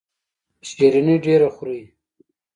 شیریني ډیره خورئ؟